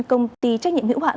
công ty trách nhiệm hiệu quả